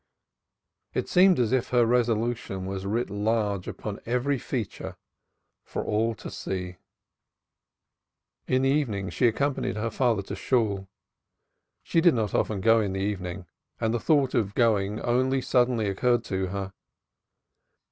It seemed as if her resolution was writ large upon every feature for all to read. In the evening she accompanied her father to Shool. She did not often go in the evening, and the thought of going only suddenly occurred to her.